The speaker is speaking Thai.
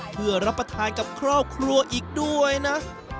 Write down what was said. เพื่อรับประทานกับครอบครัวอีกด้วยนะ